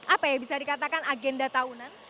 apa ya bisa dikatakan agenda tahunan